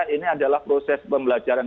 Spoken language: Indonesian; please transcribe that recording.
ini adalah proses pembelajaran